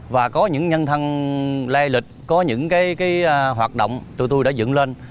và có những nhân thân lai lịch có những hoạt động tụi tôi đã dựng lên